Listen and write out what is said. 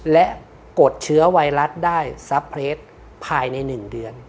และกดเชื้อไวรัสได้ซับเพลตภายใน๑เดือน